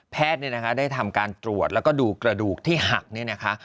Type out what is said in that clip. แพทย์เนี่ยนะฮะได้ทำการตรวจแล้วก็ดูกระดูกที่หักเนี่ยนะฮะ